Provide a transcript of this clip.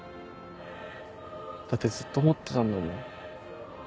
だってずっと思ってたんだもん。